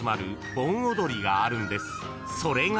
［それが］